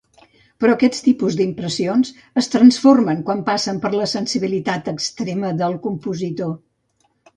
Però aquest tipus d'impressions es transformen quan passen per la sensibilitat extrema del compositor.